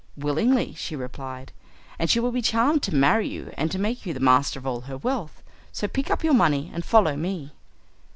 "Willingly," she replied; "and she will be charmed to marry you, and to make you the master of all her wealth. So pick up your money and follow me."